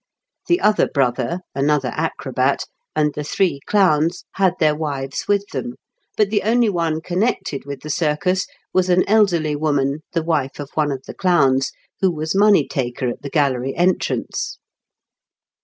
The other brother, another acrobat, and the three clowns had their wives with them, but the only one con nected with the circus was an elderly woman, the wife of one of the clowns, who was money taker at the gallery entrance.